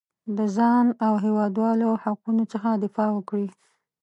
د ځان او هېوادوالو حقونو څخه دفاع وکړي.